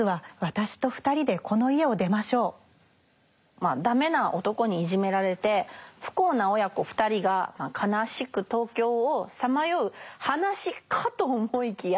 まあダメな男にいじめられて不幸な親子２人が悲しく東京をさまよう話かと思いきや